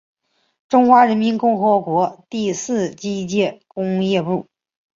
中华人民共和国第四机械工业部。